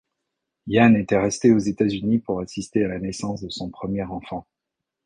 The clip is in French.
Ian était resté aux États-Unis pour assister à la naissance de son premier enfant.